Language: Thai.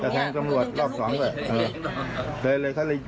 จะแทงจำรวจรอบสองใช่ไหมเดินเลยเขาเลยยิงที่ขา